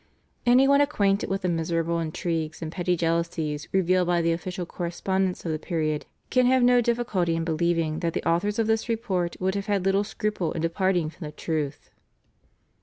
Any one acquainted with the miserable intrigues and petty jealousies revealed by the official correspondence of the period can have no difficulty in believing that the authors of this report would have had little scruple in departing from the truth.